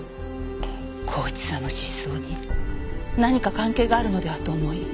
孝一さんの失踪に何か関係があるのではと思い